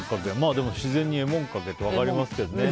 でも、自然にえもんかけって分かりますけどね。